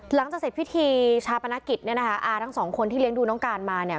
หลังจากเสร็จพิธีชาปนกิจเนี่ยนะคะอาทั้งสองคนที่เลี้ยงดูน้องการมาเนี่ย